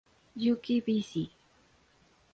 Uk vz.